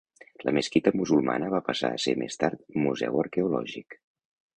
La mesquita musulmana va passar a ser més tard museu arqueològic.